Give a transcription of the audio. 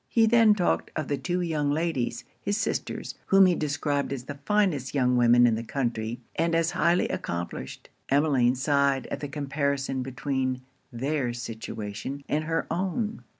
He then talked of the two young ladies, his sisters, whom he described as the finest young women in the country, and as highly accomplished. Emmeline sighed at the comparison between their situation and her own.